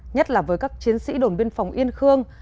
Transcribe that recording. nhất là với các chiến sĩ đồn biên phòng yên khương